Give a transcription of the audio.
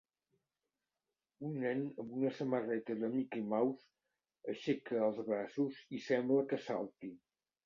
Un nen amb una samarreta d'en Mickey Mouse aixeca els braços i sembla que salti